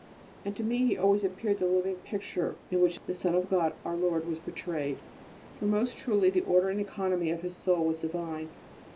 And to me he always appeared the living picture in which the Son of God, Our Lord, was portrayed, for most truly the order and economy of his soul was divine.